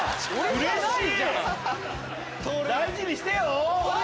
うれしい！